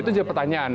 itu jadi pertanyaan